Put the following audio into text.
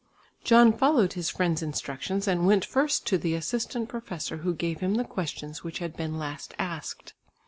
John followed his friend's instructions and went first to the assistant professor who gave him the questions which had been last asked.